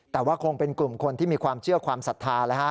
แต่ว่าคงเป็นกลุ่มคนที่มีความเชื่อความศรัทธา